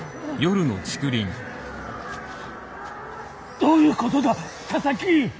どういうことだ佐々木！